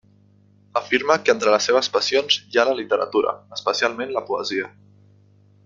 Afirma que entre les seves passions hi ha la literatura, especialment la poesia.